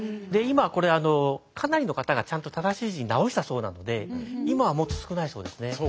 で今はこれかなりの方がちゃんと正しい字に直したそうなので今はもっと少ないそうですね。